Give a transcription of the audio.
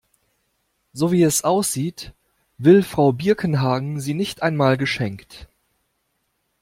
So, wie es aussieht, will Frau Birkenhagen sie nicht einmal geschenkt.